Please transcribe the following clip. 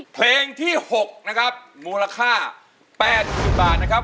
เพลงที่๖นะครับมูลค่า๘๐๐๐บาทนะครับ